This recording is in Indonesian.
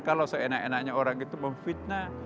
kalau seenak enaknya orang itu memfitnah